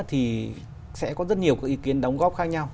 thì sẽ có rất nhiều ý kiến đóng góp khác nhau